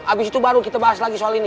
abis itu baru kita bahas lagi soal ini